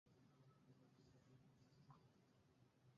মূলত, এওয়ানুইককে এই চরিত্রের জন্য নির্বাচন করা হয়নি।